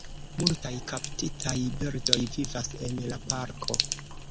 Multaj kaptitaj birdoj vivas en la parko.